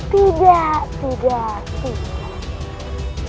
tidak tidak tidak